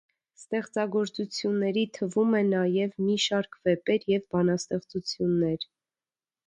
Ստեղծագործությունների թվում է նաև մի շարք վեպեր և բանաստեղծություններ։